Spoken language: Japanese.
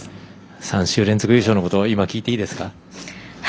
３週連続優勝のことを聞いていいですか。